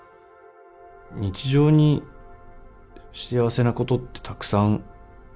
日常に幸せなことってたくさん落ちてて。